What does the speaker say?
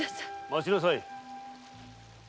待ちなさい。